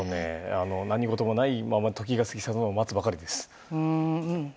何事もないまま時が過ぎ去るのを待つばかりです。